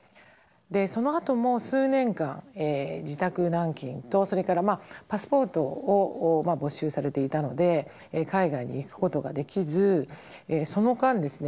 そのあとも数年間自宅軟禁とそれからパスポートを没収されていたので海外に行くことができずその間ですね